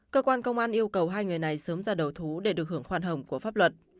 cơ quan công an yêu cầu hai người này sớm ra đầu thú để được hưởng khoan hồng của pháp luật